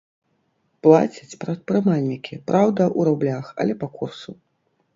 Плацяць прадпрымальнікі, праўда, у рублях, але па курсу.